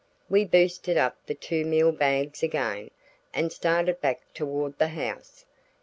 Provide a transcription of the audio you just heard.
We boosted up the two meal bags again, and started back toward the house.